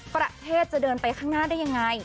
ประเทศจะเดินไปข้างหน้าได้ยังไง